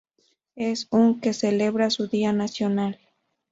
Es un que celebra su día nacional.